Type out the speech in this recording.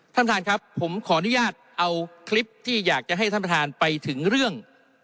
ท่านประธานครับผมขออนุญาตเอาคลิปที่อยากจะให้ท่านประธานไปถึงเรื่อง